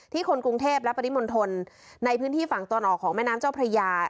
คนกรุงเทพและปริมณฑลในพื้นที่ฝั่งตะวันออกของแม่น้ำเจ้าพระยา